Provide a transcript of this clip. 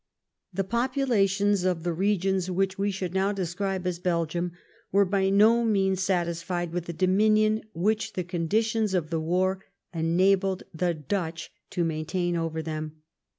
The populations of the regions which we should now describe as Belgium were by no means satisfied with the dominion which the conditions of the war enabled the Dutch to maintain over them.